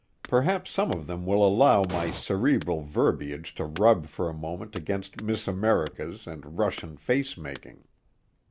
Perhaps some of them will allow my cerebral verbiage to rub for a moment against Miss Americas and Russian face making.